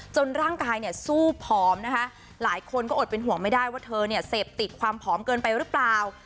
ร่างกายเนี่ยสู้ผอมนะคะหลายคนก็อดเป็นห่วงไม่ได้ว่าเธอเนี่ยเสพติดความผอมเกินไปหรือเปล่า